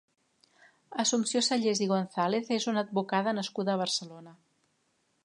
Assumpció Sallés i González és una advocada nascuda a Barcelona.